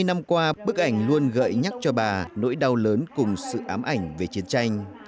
hai mươi năm qua bức ảnh luôn gợi nhắc cho bà nỗi đau lớn cùng sự ám ảnh về chiến tranh